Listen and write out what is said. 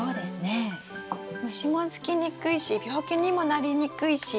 虫もつきにくいし病気にもなりにくいし